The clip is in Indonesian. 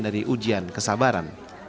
dari ujian kesabaran